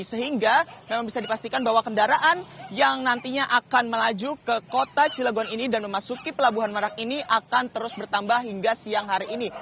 sehingga memang bisa dipastikan bahwa kendaraan yang nantinya akan melaju ke kota cilegon ini dan memasuki pelabuhan merak ini akan terus bertambah hingga siang hari ini